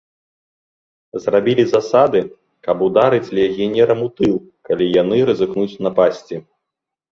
Зрабілі засады, каб ударыць легіянерам у тыл, калі яны рызыкнуць напасці.